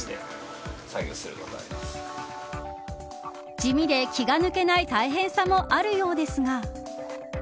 地味で気が抜けない大変さもあるようですが。